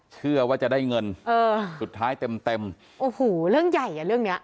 เชื่อว่าจะได้เงินเออสุดท้ายเต็มเต็มโอ้โหเรื่องใหญ่อ่ะเรื่องเนี้ย